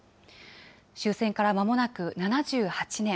終戦からまもなく７８年。